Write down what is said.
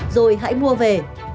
rồi hãy mua về